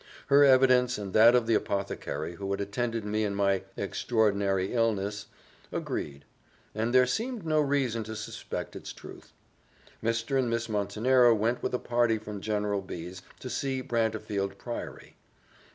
Her evidence, and that of the apothecary who had attended me in my extraordinary illness, agreed; and there seemed no reason to suspect its truth. Mr. and Miss Montenero went with a party from General B 's to see Brantefield Priory.